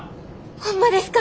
ホンマですか！？